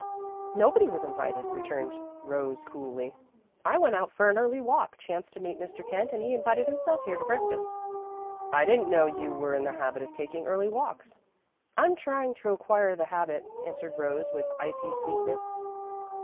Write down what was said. "Nobody was invited," returned Rose, coolly. "I went out for an early walk, chanced to meet Mr. Kent, and he invited himself here to breakfast." "I didn't know you were in the habit of taking early walks." "I'm trying to acquire the habit," answered Rose, with icy sweetness.